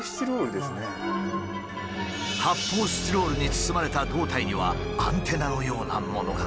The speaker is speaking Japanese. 発泡スチロールに包まれた胴体にはアンテナのようなものが。